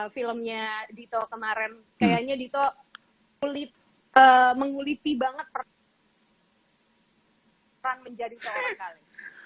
filmnya dito kemarin kayaknya dito menguliti banget peran menjadi seorang kali